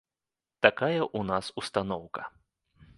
Такая ў нас устаноўка.